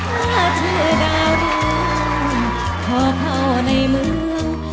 ข้าชื่อดาวเรืองขอเข้าในเมือง